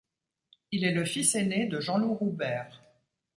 Il est le fils aîné de Jean-Loup Roubert.